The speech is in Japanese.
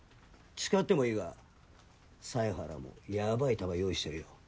誓ってもいいが犀原もヤバい弾用意してるよ。